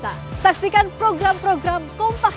ada tiga nama linda